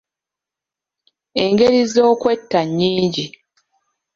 Engeri z'okwetta nnyingi